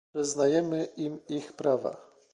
Przyznajemy im ich prawa